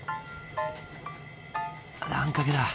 あんかけだ。